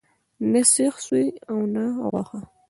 نه سیخ سوی او نه غوښه.